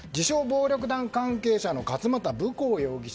自称暴力団関係者の勝又容疑者。